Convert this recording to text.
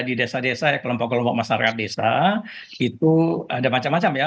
di desa desa kelompok kelompok masyarakat desa itu ada macam macam ya